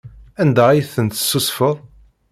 Anda ay tent-tessusfeḍ?